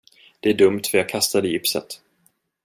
Det är dumt för jag kastade gipset.